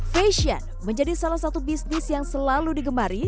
fashion menjadi salah satu bisnis yang selalu digemari